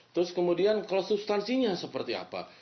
terus kemudian kalau substansinya seperti apa